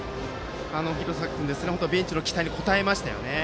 廣崎君、ベンチの期待に応えましたよね。